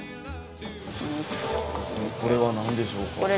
これは何でしょうか。